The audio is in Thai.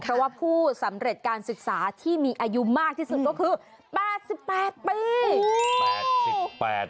เพราะว่าผู้สำเร็จการศึกษาที่มีอายุมากที่สุดก็คือ๘๘ปี